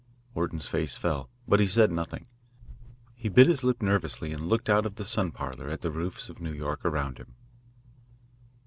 Orton's face fell, but he said nothing. He bit his lip nervously and looked out of the sun parlour at the roofs of New York around him.